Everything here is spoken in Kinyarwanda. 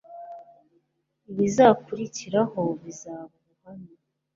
ibizakurikiraho bizaba ubuhamya